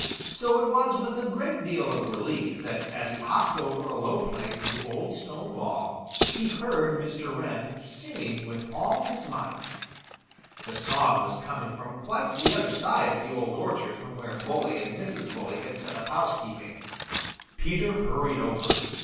So it was with a great deal of relief that as he hopped over a low place in the old stone wall he heard Mr. Wren singing with all his might. The song was coming from quite the other side of the Old Orchard from where Bully and Mrs. Bully had set up housekeeping. Peter hurried over.